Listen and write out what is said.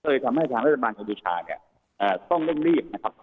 เลยทำให้ทางรัฐบาลกัมพูชาเนี่ยต้องเร่งรีบนะครับ